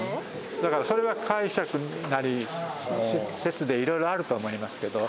だからそれは解釈なり説で色々あると思いますけど。